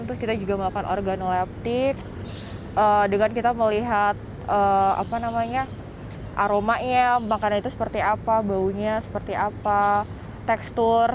terus kita juga melakukan organoleptik dengan kita melihat aromanya makanan itu seperti apa baunya seperti apa tekstur